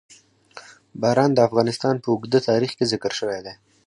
باران د افغانستان په اوږده تاریخ کې ذکر شوی دی.